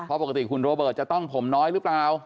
เพราะปกติคุณโรเบิร์ตจะต้องผมน้อยหรือเปล่า